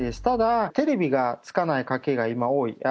ただテレビがつかない家庭が今、多い。